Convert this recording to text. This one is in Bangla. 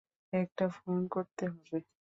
একটা ফোন করতে হবে।